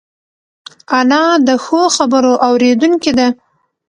انا د ښو خبرو اورېدونکې ده